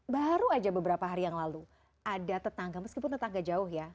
baru aja beberapa hari yang lalu ada tetangga meskipun tetangga jauh ya